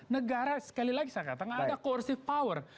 negara sekali lagi saya katakan ada quorsive power